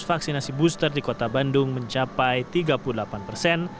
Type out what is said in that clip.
vaksinasi booster di kota bandung mencapai tiga puluh delapan persen